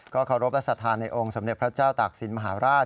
ก็เคารพรสถานในองค์สำเร็จพระเจ้าตากศิลป์มหาราช